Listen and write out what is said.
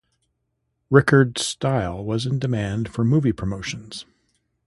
Rickard's style was in demand for movie promotions.